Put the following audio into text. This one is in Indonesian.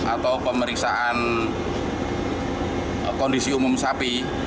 atau pemeriksaan kondisi umum sapi